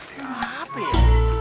ini hp ya